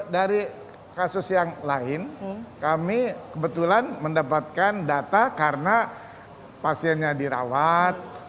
dari kasus yang lain kami kebetulan mendapatkan data karena pasiennya dirawat